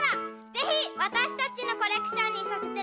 ぜひわたしたちのコレクションにさせてね！